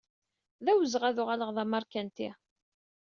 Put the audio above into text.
D awezɣi ad uɣaleɣ d ameṛkanti.